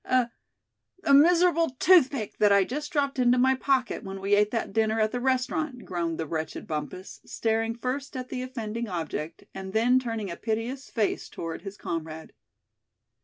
"A a miserable toothpick that I just dropped into my pocket when we ate that dinner at the restaurant!" groaned the wretched Bumpus, staring first at the offending object, and then turning a piteous face toward his comrade.